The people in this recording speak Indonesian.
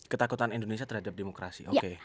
ketakutan indonesia terhadap demokrasi oke